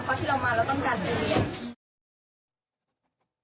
เพราะที่เรามาเราต้องการจะเรียน